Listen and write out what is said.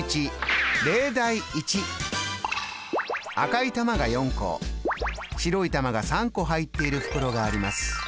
赤い玉が４個白い玉が３個入っている袋があります。